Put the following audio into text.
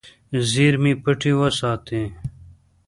زیرمې پټې وساتې.